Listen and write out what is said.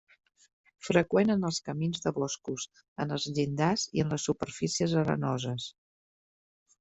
Freqüent en els camins de boscos, en els llindars i en les superfícies arenoses.